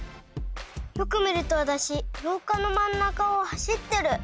よく見るとわたしろうかの真ん中を走ってる。